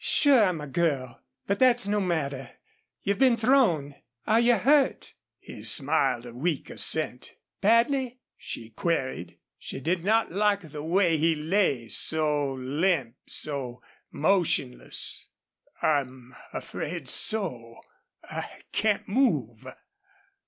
"Sure I'm a girl. But that's no matter.... You've been thrown. Are you hurt?" He smiled a weak assent. "Badly?" she queried. She did not like the way he lay so limp, so motionless. "I'm afraid so. I can't move."